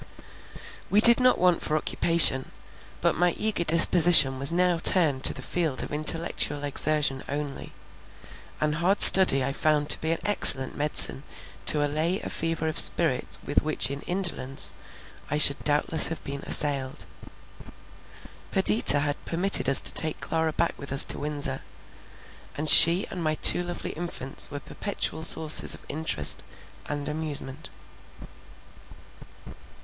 We did not want for occupation; but my eager disposition was now turned to the field of intellectual exertion only; and hard study I found to be an excellent medicine to allay a fever of spirit with which in indolence, I should doubtless have been assailed. Perdita had permitted us to take Clara back with us to Windsor; and she and my two lovely infants were perpetual sources of interest and amusement.